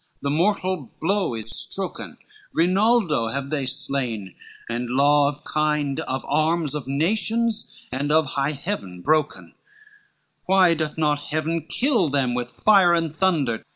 the mortal blow is stroken, Rinaldo have they slain, and law of kind, Of arms, of nations, and of high heaven broken, Why doth not heaven kill them with fire and thunder?